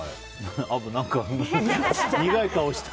アブ、何か苦い顔してる。